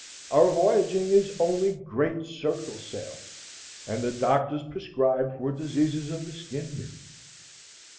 Our voyaging is only great circle sailing, and the doctors prescribe for diseases of the skin merely.